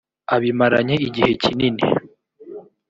abimaranye igihe kinini.